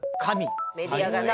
メディアがね。